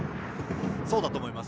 そうだと思います。